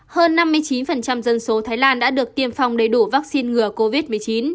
hơn năm mươi chín dân số thái lan đã được tiêm phòng đầy đủ vaccine ngừa covid một mươi chín